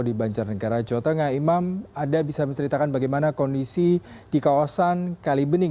di banjarnegara jawa tengah imam anda bisa menceritakan bagaimana kondisi di kawasan kalibening